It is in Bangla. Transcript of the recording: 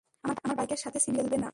আমার বাইকের সাথে ছিনিমিনি খেলবে না।